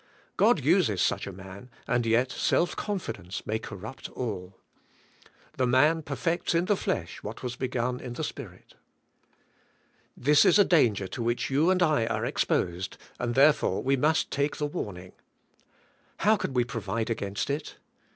God uses such a man, and yet self confidence may corrupt all. The man perfects in the flesh what was begun in the Spirit. This is a danger to which you and I are exposed and therefore we must take the warning. How can we provide against it?